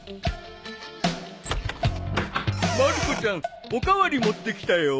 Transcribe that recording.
まる子ちゃんお代わり持ってきたよ。